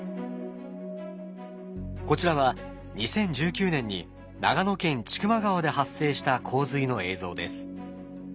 こちらは２０１９年に長野県千曲川で発生した洪水の映像です。